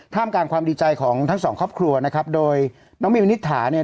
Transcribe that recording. กลางความดีใจของทั้งสองครอบครัวนะครับโดยน้องมิวนิษฐาเนี่ย